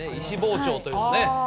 石包丁というね